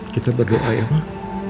kita berdoa ya pak